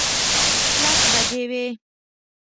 لس بجې وې.